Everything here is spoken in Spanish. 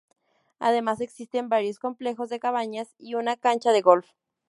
Además, existen varios complejos de cabañas y una cancha de golf.